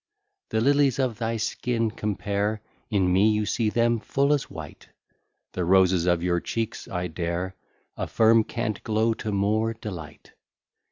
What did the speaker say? The lilies of thy skin compare; In me you see them full as white: The roses of your cheeks, I dare Affirm, can't glow to more delight.